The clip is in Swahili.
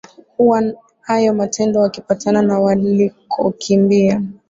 huwa hayo matendo wakipatikana walikokimbia